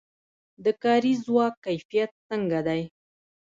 د کاري ځواک کیفیت څنګه دی؟